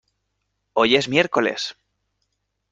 Hoy es miércoles.